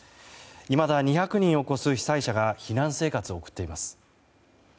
いまだ２００人を超す被災者が避難生活を送っています。